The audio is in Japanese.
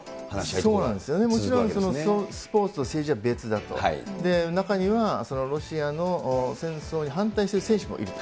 そうなんですよね、もちろんスポーツと政治は別だと、中には、ロシアの戦争に反対してる選手もいると。